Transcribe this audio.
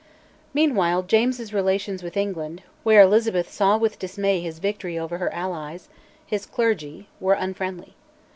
Meanwhile James's relations with England, where Elizabeth saw with dismay his victory over her allies, his clergy, were unfriendly.